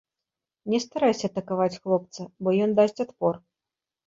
Не старайся атакаваць хлопца, бо ён дасць адпор.